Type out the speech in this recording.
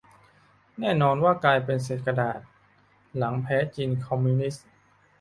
แน่นอนว่ากลายเป็นเศษกระดาษหลังแพ้จีนคอมมิวนิสต์